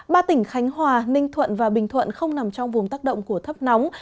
ba tỉnh khánh hòa ninh thuận và bình thuận không nằm trong vùng tác động của thấp nóng